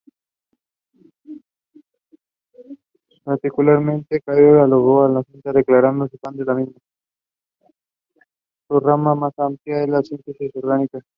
Su rama más amplia es la síntesis orgánica.